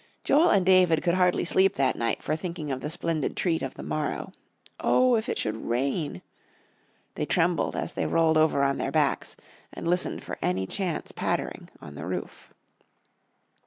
Joel and David could hardly sleep that night for thinking of the splendid treat of the morrow. Oh, if it should rain! They trembled as they rolled over on their backs and listened for any chance pattering on the roof.